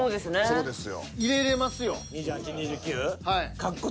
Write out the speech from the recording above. そうなんですよ。